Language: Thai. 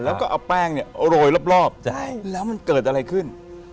แล้วก็เอาแป้งเนี่ยโรยรอบแล้วมันเกิดอะไรขึ้น